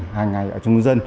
hàng ngày ở trong dân